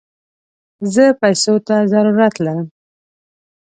زه پيسوته ضرورت لم